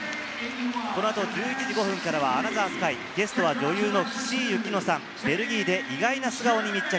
この後１１時５分からは『アナザースカイ』、ゲストは女優の岸井ゆきのさん、ベルギーで意外な素顔に密着。